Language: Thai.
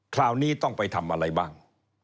คราวนี้ต้องไปทำอะไรบ้าง